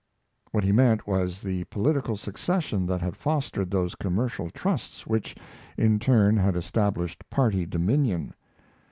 What he meant, was the political succession that had fostered those commercial trusts which, in turn, had established party dominion.